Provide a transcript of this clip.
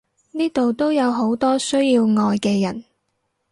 呢度都有好多需要愛嘅人！